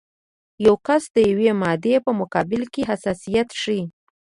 یو کس د یوې مادې په مقابل کې حساسیت ښیي.